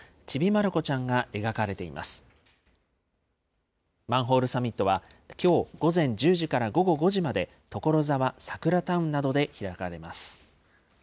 マンホールサミットは、きょう午前１０時から午後５時まで、ところざわサクラタウンなどで開かれます。